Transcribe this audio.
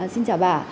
xin chào bà